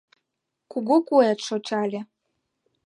Кугу куэт шочале.